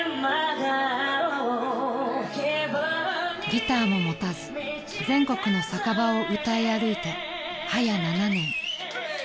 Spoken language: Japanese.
［ギターも持たず全国の酒場を歌い歩いて早７年］